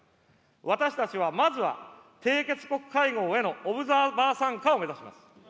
私たちは、まずは締結国会合へのオブザーバー参加を目指します。